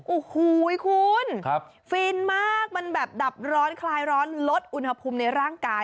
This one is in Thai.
โอ้โหคุณฟินมากมันแบบดับร้อนคลายร้อนลดอุณหภูมิในร่างกาย